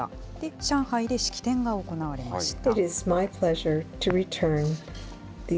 上海で式典が行われました。